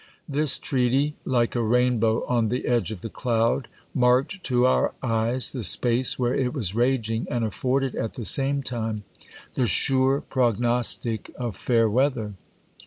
This treaty, like a rainbow on, the edge of the cloud, marked to our eyes the space where it was raging, and afforded at the same time the sure prognostic of fair weather.